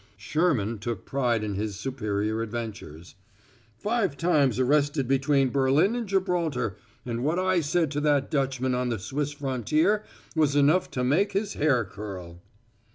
Sherman took pride in his superior adventures: "Five times arrested between Berlin and Gibraltar, and what I said to that Dutchman on the Swiss frontier was enough to make his hair curl."